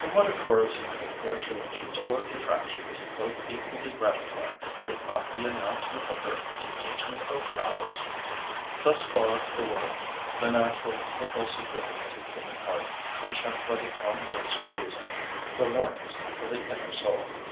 What a chorus of congratulations or detractions, both equally gratifying, would not the announcement of her engagement arouse! Thus far the world, the natural, impulsive feeling of the human heart, unchecked by the calm voice of reason, the warnings of the inner soul.